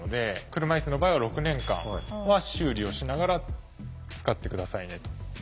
車いすの場合は６年間は修理をしながら使って下さいねと。